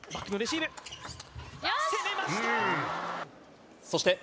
攻めました。